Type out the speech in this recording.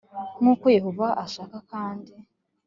nk uko Yehova ashaka kandi